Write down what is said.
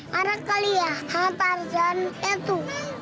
marah kali ya sama tarzan itu